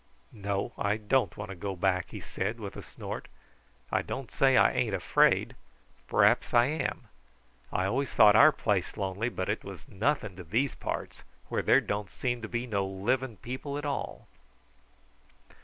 "No: I don't want to go back," he said with a snort. "I don't say I ain't afraid. P'r'aps I am. I always thought our place lonely, but it was nothing to these parts, where there don't seem to be no living people at all."